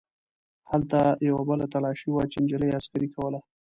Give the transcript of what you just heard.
هلته یوه بله تلاشي وه چې نجلۍ عسکرې کوله.